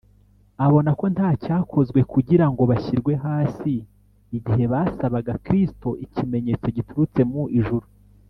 abona ko nta cyakozwe kugira ngo bashyirwe hasi igihe basabaga kristo ikimenyetso giturutse mu ijuru